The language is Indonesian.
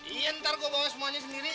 ini ntar gue bawa semuanya sendiri